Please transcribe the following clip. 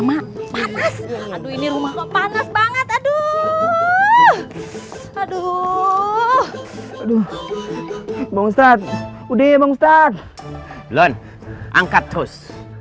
hai banget aduh aduh aduh ustadz udh ustadz lon angkat terus